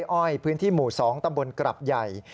อ้อยพื้นที่หมู่๒ตำบลกรับใหญ่